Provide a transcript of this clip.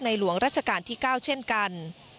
หลวงราชการที่๙เช่นกัน